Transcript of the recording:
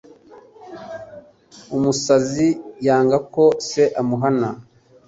Umusazi yanga ko se amuhana